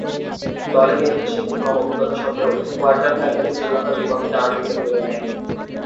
দলের ইতিহাসে খুব কম অভিজ্ঞতা স্বত্ত্বেও কোয়ার্টার ফাইনালে শ্রীলঙ্কার বিপক্ষে আট উইকেট তুলে নেয়।